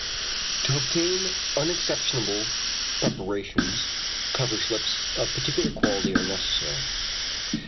To obtain unexceptionable preparations cover slips of particular quality are necessary.